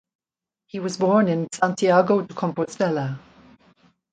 He was born in Santiago de Compostela.